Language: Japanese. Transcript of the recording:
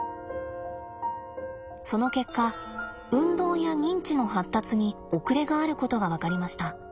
その結果運動や認知の発達に遅れがあることが分かりました。